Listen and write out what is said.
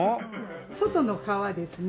外の皮ですね。